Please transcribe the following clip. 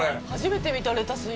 初めて見た。